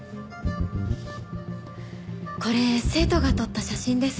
これ生徒が撮った写真です。